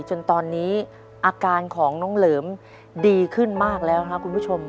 จนตอนนี้อาการของน้องเหลิมดีขึ้นมากแล้วครับคุณผู้ชม